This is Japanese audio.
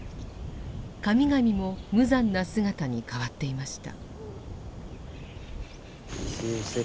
神々も無残な姿に変わっていました。